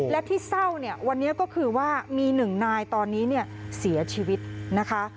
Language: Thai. และที่เศร้าเนี่ยวันนี้ก็คือว่ามีหนึ่งนายตอนนี้เนี่ยเสียชีวิตนะคะ